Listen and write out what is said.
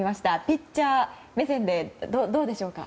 ピッチャー目線でどうでしょうか？